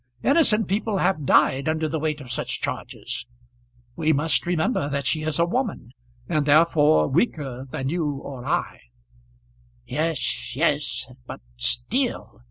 Innocent people have died under the weight of such charges. We must remember that she is a woman, and therefore weaker than you or I." "Yes, yes; but still